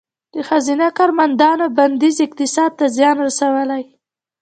د ښځینه کارمندانو بندیز اقتصاد ته زیان رسولی؟